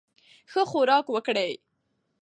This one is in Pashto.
ښه خوراک وکړئ.